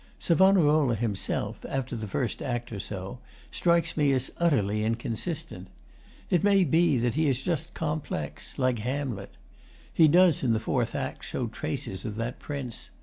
Savonarola himself, after the First Act or so, strikes me as utterly inconsistent. It may be that he is just complex, like Hamlet. He does in the Fourth Act show traces of that Prince.